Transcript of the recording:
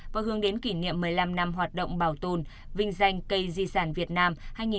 và hướng đến kỷ niệm một mươi năm năm hoạt động bảo tồn vinh danh cây di sản việt nam hai nghìn một mươi hai nghìn hai mươi năm